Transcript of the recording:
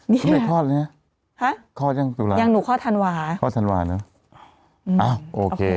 นี่เขาไม่คลอดเลยนะฮะคลอดยังตุลายังหนูคลอดธันวาคลอดธันวาเนอะอ้าวโอเค